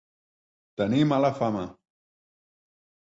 Tenir mala fama.